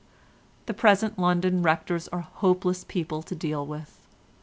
"The present London Rectors are hopeless people to deal with.